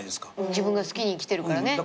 自分が好きに生きてるからね。